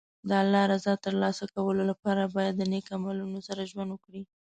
د الله رضا ترلاسه کولو لپاره باید د نېک عملونو سره ژوند وکړي.